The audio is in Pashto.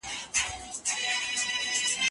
په ټولنه کې سوله ییز ژوند ته لاره هواره کړئ.